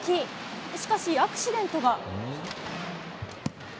しかし、アクシデントが。